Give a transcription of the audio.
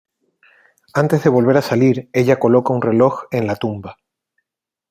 Antes de volver a salir, ella coloca un reloj en la tumba.